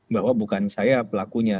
bahwa bukan saya pelakunya